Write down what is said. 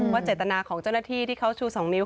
เจตนาของเจ้าหน้าที่ที่เขาชู๒นิ้ว